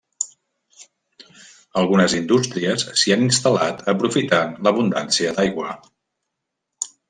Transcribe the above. Algunes indústries s'hi han instal·lat aprofitant l'abundància d'aigua.